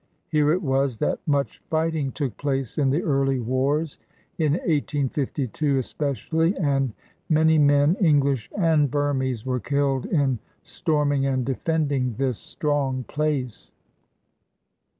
Here it was that much fighting took place in the early wars, in 1852 especially, and many men, English and Burmese, were killed in storming and defending this strong place.